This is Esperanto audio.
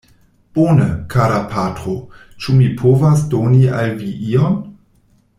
Bone, kara patro; ĉu mi povas doni al vi ion?